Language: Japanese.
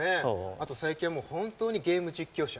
あと最近は本当にゲーム実況者。